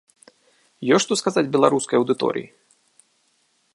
Ёсць што сказаць беларускай аўдыторыі?